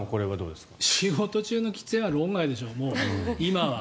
仕事中の喫煙は論外でしょう、もう今は。